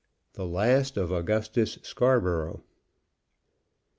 THE LAST OF AUGUSTUS SCARBOROUGH.